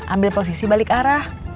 ambil posisi balik arah